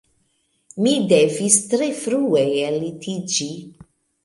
Mi devis tre frue ellitiĝi